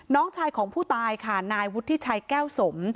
น้องชายของผู้ตายค่ะนายวุฒิชัยแก้วสม